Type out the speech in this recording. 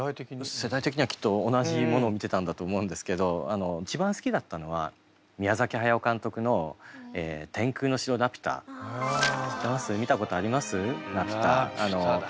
世代的にはきっと同じものを見てたんだと思うんですけど一番好きだったのは宮崎駿監督の「天空の城ラピュタ」。知ってます？